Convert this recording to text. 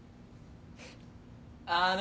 あの。